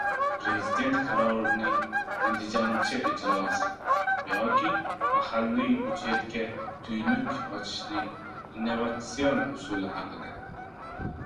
Prezident qarorining «andijoncha» ijrosi. Yoki mahalliy budjetga «tuynuk» ochishning «innovatsion» usuli haqida